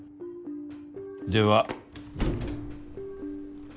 では。